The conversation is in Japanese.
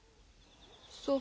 そう。